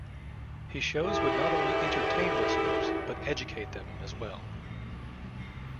His shows would not only entertain listeners, but educate them, as well.